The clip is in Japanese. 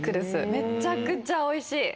めちゃくちゃおいしい！